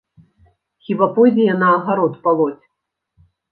Хіба пойдзе яна агарод палоць?